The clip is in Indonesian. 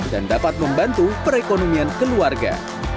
dan dapat membantu perekonomian keluarga